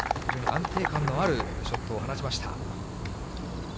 安定感のあるショットを放ちました。